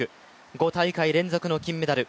５大会連続の金メダル